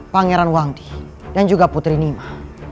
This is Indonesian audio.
pangeran wangi dan juga putri nima